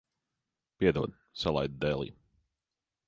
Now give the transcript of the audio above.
Piedod, salaidu dēlī.